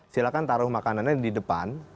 silahkan taruh makanannya di depan